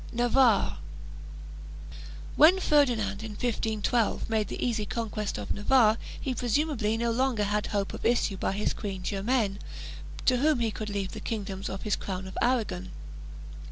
NAVARRE. When Ferdinand, in 1512, made the easy conquest of Navarre he presumably no longer had hope of issue by his Queen Ger maine, to whom he could leave the kingdoms of his crown of Aragon.